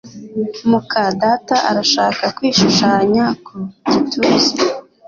muka data arashaka kwishushanya ku gituza